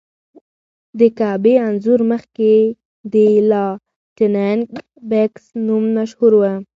د کعبې انځور مخکې د لایټننګ بګز نوم مشهور و.